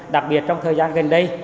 đặc biệt trong thời gian gần đây